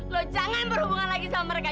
loh jangan berhubungan lagi sama mereka